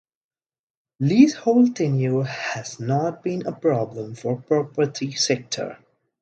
Leasehold tenure has not been a problem for the property sector.